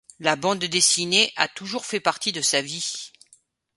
La bande dessinée a toujours fait partie de sa vie.